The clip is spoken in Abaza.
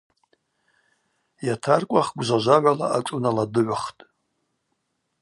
Йатаркӏвах гвжважвагӏвала ашӏунала дыгӏвхтӏ.